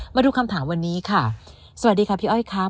มาดูคำถามวันนี้ค่ะสวัสดีค่ะพี่อ้อยครับ